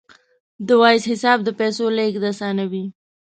د وایز حساب د پیسو لیږد اسانوي.